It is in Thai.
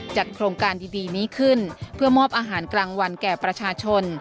โครงการดีนี้ขึ้นเพื่อมอบอาหารกลางวันแก่ประชาชน